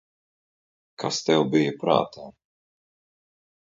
Kas tev bija prātā?